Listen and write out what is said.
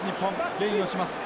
ゲインをします。